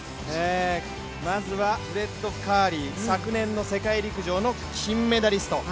まずは、フレッド・カーリー、昨年の世界陸上の金メダリスト。